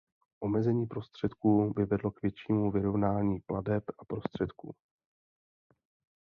Omezení prostředků by vedlo k většímu vyrovnání plateb a prostředků.